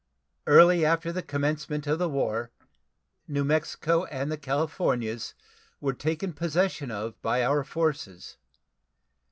Early after the commencement of the war New Mexico and the Californias were taken possession of by our forces.